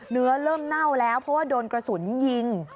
เริ่มเน่าแล้วเพราะว่าโดนกระสุนยิง